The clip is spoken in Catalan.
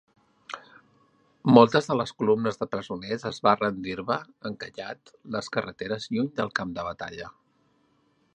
Moltes de les columnes de presoners es va rendir-va encallat les carreteres lluny del camp de batalla.